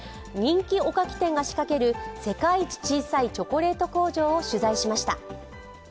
人気おかき店が仕掛ける世界一小さいチョコレート工場を取材しました。